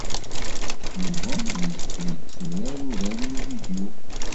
Yuba yezga yetturar uraren n uvidyu.